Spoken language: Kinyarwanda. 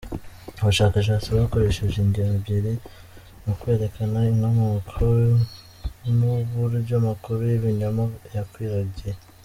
Abashakashatsi bakoresheje ingero ebyiri mu kwerekana inkomoko n'uburyo amakuru y'ibinyoma yakwiragiye: .